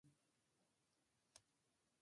افغانستان د انګورو په برخه کې نړیوال شهرت لري.